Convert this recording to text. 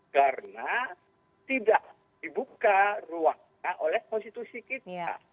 karena tidak dibuka ruangnya oleh konstitusi kita